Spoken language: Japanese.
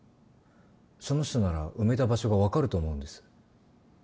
その人なら埋めた場所が分かると思うんです。